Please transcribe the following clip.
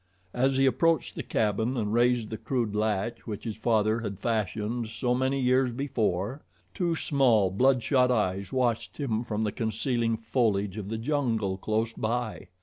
As he approached the cabin and raised the crude latch which his father had fashioned so many years before, two small, blood shot eyes watched him from the concealing foliage of the jungle close by.